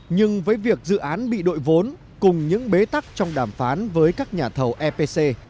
nhưng với việc dự án bị đội vốn cùng những bế tắc trong đàm phán với các nhà thầu epc